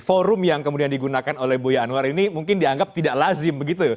forum yang kemudian digunakan oleh buya anwar ini mungkin dianggap tidak lazim begitu